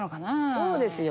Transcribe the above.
そうですよ。